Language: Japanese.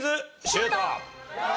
シュート！